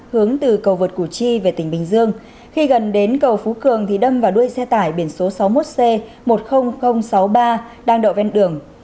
hướng từ cầu vượt củ chi về tỉnh bình dương khi gần đến cầu phú cường thì đâm vào đuôi xe tải biển số sáu mươi một c một mươi nghìn sáu mươi ba đang đậu ven đường